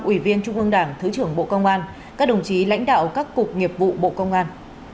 ủy viên trung ương đảng thứ trưởng bộ công an các đồng chí lãnh đạo các cục nghiệp vụ bộ công an